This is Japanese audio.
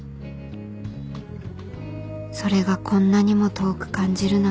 それがこんなにも遠く感じるなんて